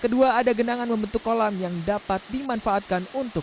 itu untuk berenang hasilnya lewat perjudi kota